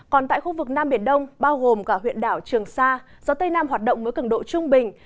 còn tại khu vực nam biển đông bao gồm cả huyện đảo trường sa gió tây nam hoạt động với cứng độ trung bình